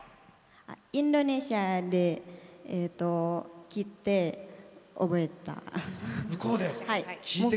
インドネシアで聴いて覚えた。